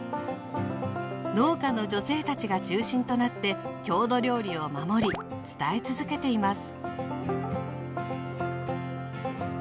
農家の女性たちが中心となって郷土料理を守り伝え続けています。